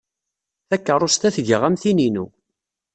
Takeṛṛust-a tga am tin-inu.